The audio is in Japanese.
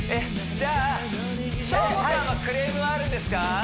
じゃあショーゴさんはクレームあるんですか？